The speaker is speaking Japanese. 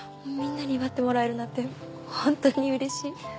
みんなに祝ってもらえるなんて本当に嬉しい。